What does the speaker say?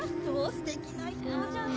すてきな人じゃない